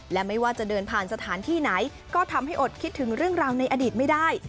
และไม่ว่าจะเดินผ่านสถานที่ไหนก็ทำให้อดคิดถึงเรื่องราวในอดีตไม่ได้